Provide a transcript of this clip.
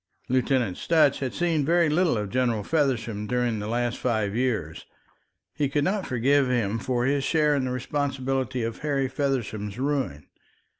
Lieutenant Sutch had seen very little of General Feversham during the last five years. He could not forgive him for his share in the responsibility of Harry Feversham's ruin.